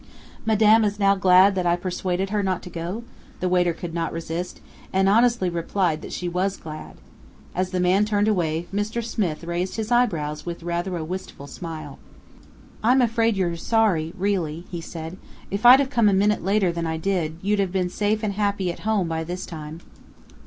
"Madame is glad now that I persuaded her not to go?" the waiter could not resist, and Annesley replied that she was glad. As the man turned away, "Mr. Smith" raised his eyebrows with rather a wistful smile. "I'm afraid you're sorry, really," he said. "If I'd come a minute later than I did, you'd have been safe and happy at home by this time."